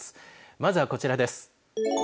まずはこちらです。